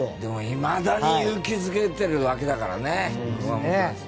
いまだに勇気づけてるわけだからね。